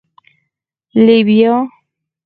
🫘 لبیا